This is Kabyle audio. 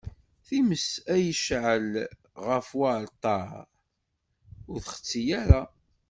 Times ad tecɛel ɣef uɛalṭar, ur txetti ara.